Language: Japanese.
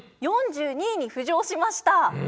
４２位に浮上しました。